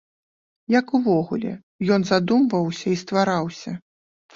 Як увогуле ён задумваўся і ствараўся?